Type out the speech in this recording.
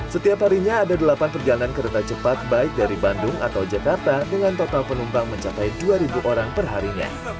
setiap harinya ada delapan perjalanan kereta cepat baik dari bandung atau jakarta dengan total penumpang mencapai dua orang perharinya